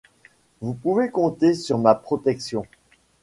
Vous pouvez compter sur ma protection.